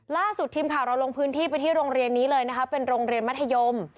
ล่าสุดทีมข่าวเราลงพื้นที่ไปที่โรงเรียนนี้เลยนะคะเป็นโรงเรียนมัธยม